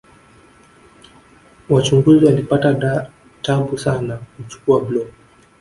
wachunguzi walipata tabu sana kumchukua blob